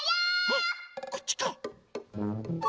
あこっちか？